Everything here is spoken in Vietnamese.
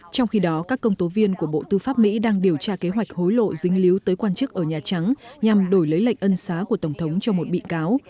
trong khi đó các công tố viên của bộ tư pháp mỹ đang điều tra kế hoạch hối lộ dính líu tới quan chức ở nhà trắng nhằm đổi lấy lệnh ân xá của tổng thống cho một bị cáo